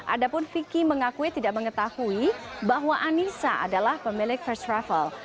adapun vicky mengakui tidak mengetahui bahwa anissa adalah pemilik first travel